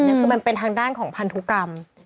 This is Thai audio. คือมันเป็นทางด้านของพันธุกรรม